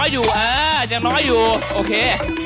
เย้